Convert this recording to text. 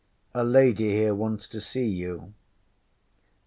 A lady here wants to see you.